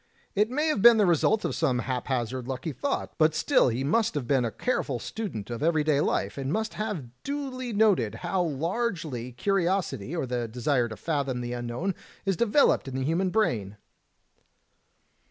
It may have been the result of some haphazard lucky thought, but still he must have been a careful student of every day life, and must have duly noted how largely curiosity or the desire to fathom the unknown is developed in the human brain."